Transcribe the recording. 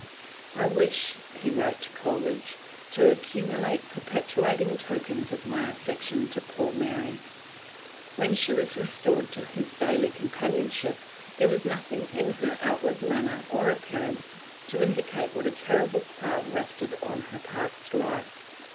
"I wish," he wrote to Coleridge, "to accumulate perpetuating tokens of my affection to poor Mary." When she was restored to his daily companionship, there was nothing in her outward manner or appearance to indicate what a terrible cloud rested on her past life.